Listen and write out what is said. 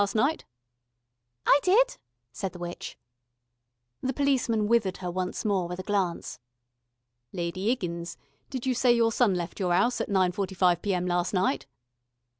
last night?" "I did," said the witch. The policeman withered her once more with a glance. "Lady 'Iggins, did you say your son left your 'ouse at nine forty five P.M. last night?"